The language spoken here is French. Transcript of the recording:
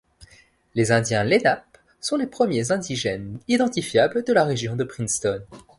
Les indiens Lenape sont les premiers indigènes identifiables de la région de Princeton.